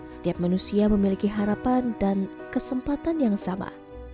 setiap manusia memiliki harapan dan kesempatan yang sama